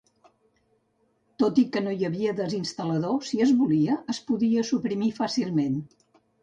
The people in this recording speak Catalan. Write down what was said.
Tot i que no hi havia desinstal·lador, si es volia, es podia suprimir fàcilment.